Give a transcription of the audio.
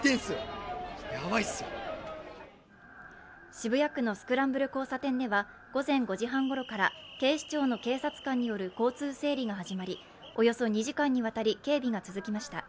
渋谷区のスクランブル交差点では午前５時半ごろから警視庁の警察官による交通整理が始まりおよそ２時間にわたり警備が続きました。